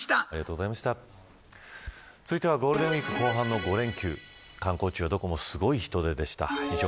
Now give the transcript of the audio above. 続いてはゴールデンウイーク後半の５連休観光地は、どこもすごい人出でした。